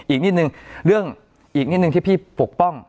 อีกนิดนึงเรื่องอีกนิดนึงที่พี่ปกป้อง